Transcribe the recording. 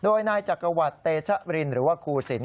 โดยนายจักรวรรดิเตชะรินหรือว่าครูสิน